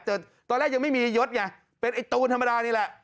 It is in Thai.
แต่ตอนแรกยังไม่มียศไงเป็นไอ้ตูนธรรมดานี่แหละ